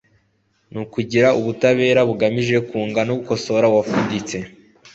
no kugira ubutabera bugamije kunga no gukosora uwafuditse